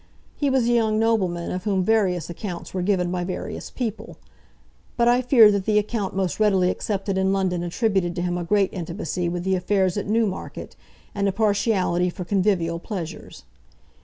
He was a young nobleman of whom various accounts were given by various people; but I fear that the account most readily accepted in London attributed to him a great intimacy with the affairs at Newmarket, and a partiality for convivial pleasures.